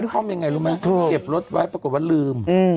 รางความที่เขาเก็บรถไว้ปรากฏว่าลืม